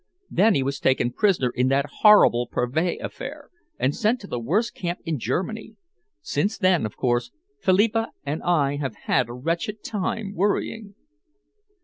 Then he was taken prisoner in that horrible Pervais affair, and sent to the worst camp in Germany. Since then, of course, Philippa and I have had a wretched time, worrying."